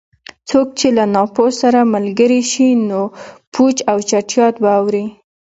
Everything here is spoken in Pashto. څوک چې له ناپوه سره ملګری شي؛ نو پوچ او چټیات به اوري.